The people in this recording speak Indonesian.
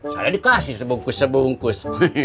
saya dikasih sebungkus sebungkus